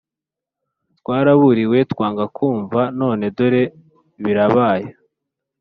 twaraburiwe twanga kumva none dore birabaye